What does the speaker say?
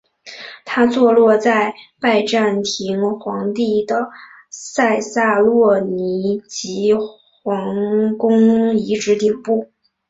它坐落在拜占庭皇帝在塞萨洛尼基皇宫遗址顶部。